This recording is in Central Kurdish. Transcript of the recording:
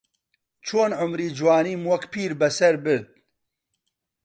چۆن عومری جوانیم وەک پیربەسەر برد